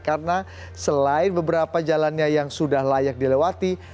karena selain beberapa jalannya yang sudah layak dilewati